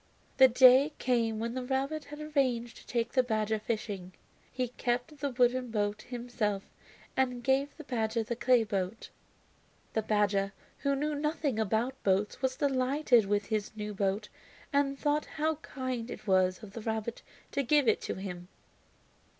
The day came when the rabbit had arranged to take the badger fishing. He kept the wooden boat himself and gave the badger the clay boat. The badger, who knew nothing about boats, was delighted with his new boat and thought how kind it was of the rabbit to give it to him.